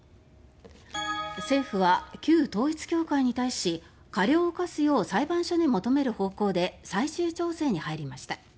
政府は旧統一教会に対し過料を科すよう裁判所に求める方向で最終調整に入りました。